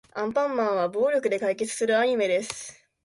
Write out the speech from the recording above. アンパンマンは暴力で解決するアニメです。